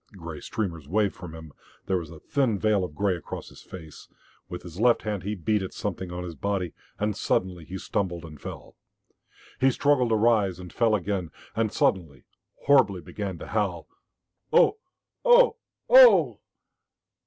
Grey streamers waved from him; there was a thin veil of grey across his face. With his left hand he beat at something on his body, and suddenly he stumbled and fell. He struggled to rise, and fell again, and suddenly, horribly, began to howl, "Oh ohoo, ohooh!"